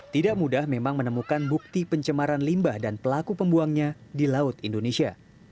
tidak mudah memang menemukan bukti pencemaran limbah dan pelaku pembuangnya di laut indonesia